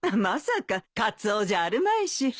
まさかカツオじゃあるまいし。